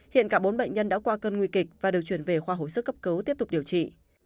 hiện cả bốn bệnh nhân đã qua cơn nguy kịch và được chuyển về khoa hồi sức cấp cứu tiếp tục điều trị